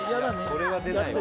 それは出ないわ